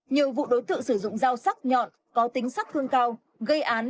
nhiều vụ đối tượng sử dụng dao sắc nhọn có tính sắc thương cao gây án